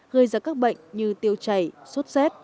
gây ra các bệnh như tiêu chảy sốt xét